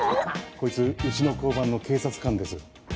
こいつうちの交番の警察官です。